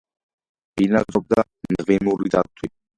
ბინადრობდა მღვიმური დათვი.